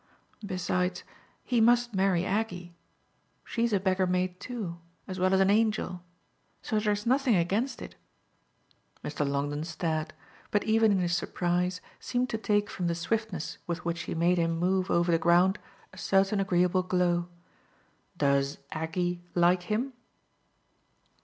Besides, he must marry Aggie. She's a beggar maid too as well as an angel. So there's nothing against it." Mr. Longdon stared, but even in his surprise seemed to take from the swiftness with which she made him move over the ground a certain agreeable glow. "Does 'Aggie' like him?"